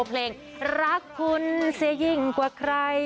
เพลงรักคุณเสียยิ่งกว่าใคร